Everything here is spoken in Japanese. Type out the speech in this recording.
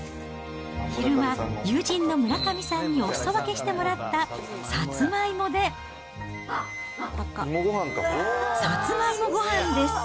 昼間、友人の村上さんにおすそ分けしてもらったサツマイモで、サツマイモごはんです。